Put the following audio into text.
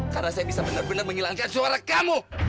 karena saya bisa benar benar menghilangkan suara kamu